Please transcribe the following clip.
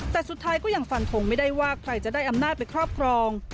แต่สุดท้ายก็ยังฟันทงไม่ได้ว่าใครจะได้อำนาจไปครอบครอง